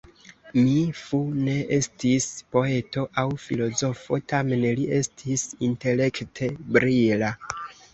Mi Fu ne estis poeto aŭ filozofo, tamen li estis intelekte brila.